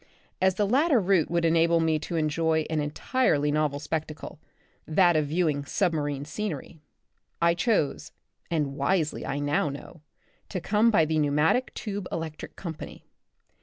As the latter route would enable me to enjoy an entirely novel spectacle, that of viewing sub marine scenery, I chose, and wisely I now know, to come by the Pneu matic Tube Electric Company.